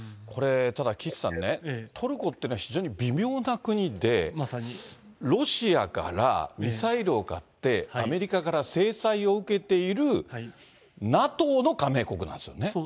これ、ただ岸さんね、トルコっていうのは非常に微妙な国で、ロシアからミサイルを買って、アメリカから制裁を受けているＮＡＴＯの加盟国なんですよね。